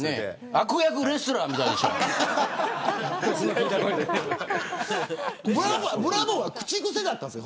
悪役レスラーみたいでしたよ。